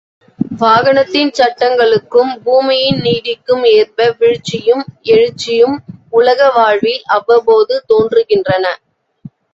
வானகத்தின் சட்டங்களுக்கும், பூமியின் நீதிக்கும் ஏற்ப வீழ்ச்சியும், எழுச்சியும் உலக வாழ்வில் அவ்வப்போது தோன்றுகின்றன.